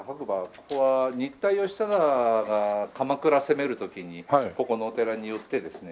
ここは新田義貞が鎌倉攻める時にここのお寺に寄ってですね